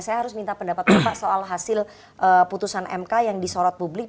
saya harus minta pendapat bapak soal hasil putusan mk yang disorot publik